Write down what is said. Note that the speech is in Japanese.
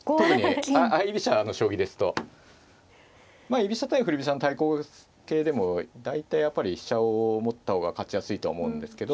居飛車対振り飛車の対抗形でも大体やっぱり飛車を持った方が勝ちやすいとは思うんですけど。